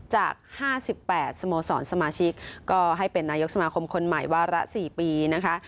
จาก๕๘สโมสรสมาชิกก็ให้เป็นนายกสมาคมคนใหม่วาระ๔ปีนะคะ